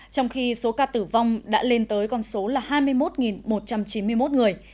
trong khi số ca tử vong đã lên tới con số là hai mươi một một trăm chín mươi một người